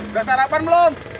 udah sarapan belum